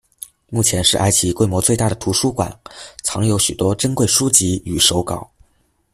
目前是埃及规模最大的图书馆，藏有许多珍贵书籍与手稿。